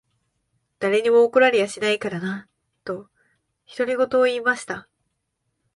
誰にも怒られやしないからな。」と、独り言を言いました。